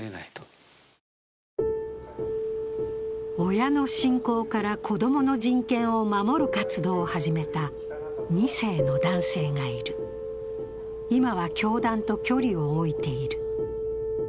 親の信仰から子供の人権を守る活動を始めた２世の男性がいる今は教団と距離を置いている。